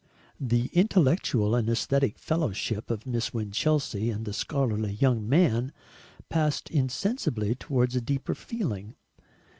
The intellectual and aesthetic fellowship of Miss Winchelsea and the scholarly young man passed insensibly towards a deeper feeling.